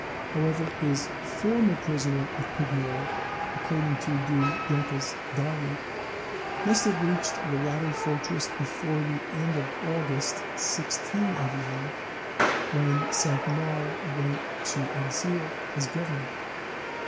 However, his "former prisoner of Pignerol," according to Du Junca's diary, must have reached the latter fortress before the end of August 1681, when Saint Mars went to Exilles as governor.